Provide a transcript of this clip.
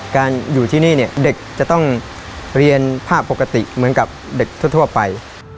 การอยู่ที่นี่เนี่ยเด็กจะต้องเรียนภาพปกติเหมือนกับเด็กทั่วไป